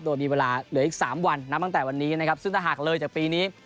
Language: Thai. โดยมีเวลาเหลืออีก๓วันนับตั้งแต่วันนี้นะครับซึ่งถ้าหากเลยจากปีนี้